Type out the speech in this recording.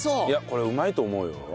いやこれうまいと思うよ。